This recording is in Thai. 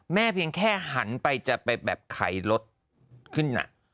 เพียงแค่หันไปจะไปแบบไขรถขึ้น